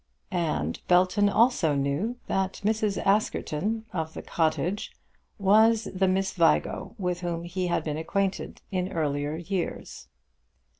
And Belton also knew that Mrs. Askerton of the cottage was the Miss Vigo with whom he had been acquainted in earlier years.